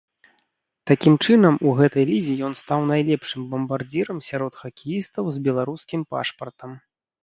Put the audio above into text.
Такім чынам у гэтай лізе ён стаў найлепшым бамбардзірам сярод хакеістаў з беларускім пашпартам.